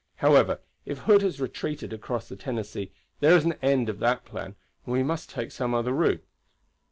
However, if Hood has retreated across the Tennessee there is an end of that plan, and we must take some other route.